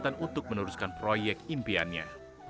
dan kekuatan untuk meneruskan proyek impiannya